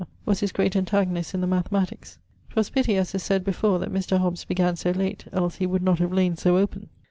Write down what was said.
was his great antagonist in the Mathematiques. 'Twas pitty, as is said before, that Mr. Hobbs began so late, els he would have layn so open.